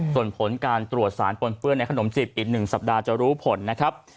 ส่วนผลการตรวจสารปนเปื้อนในขนมจีบอีก๑สัปดาห์จะรู้ผลนะครับ